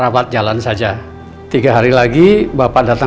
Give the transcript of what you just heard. makasih ya